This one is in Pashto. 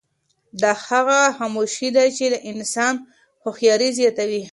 دا هغه خاموشي ده چې د انسان هوښیاري زیاتوي.